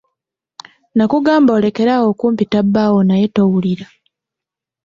Nnakugamba olekere awo okumpita bbaawo naye towulira.